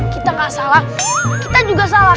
kita nggak salah kita juga salah